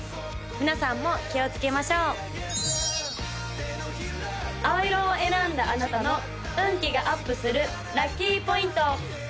皆さんも気をつけましょう青色を選んだあなたの運気がアップするラッキーポイント！